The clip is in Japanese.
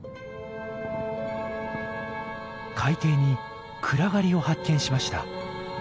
海底に暗がりを発見しました。